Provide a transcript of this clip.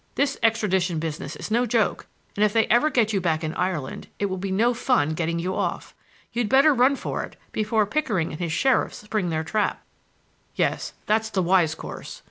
This extradition business is no joke,—if they ever get you back in Ireland it will be no fun getting you off. You'd better run for it before Pickering and his sheriff spring their trap." "Yes; that's the wise course.